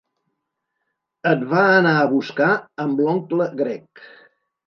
Et va anar a buscar amb l'oncle Greg.